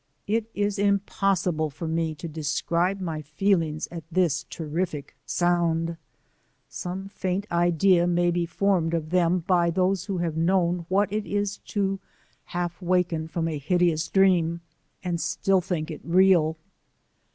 It is impossible for me to describe my feelings at this terrific sound. Some faint idea may be formed of them by those who have known what it is to half waken from a hideous dream and still think it real.